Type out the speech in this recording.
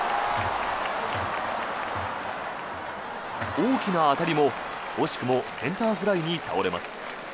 大きな当たりも惜しくもセンターフライに倒れます。